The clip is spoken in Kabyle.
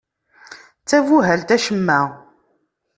D tabuhalt acemma.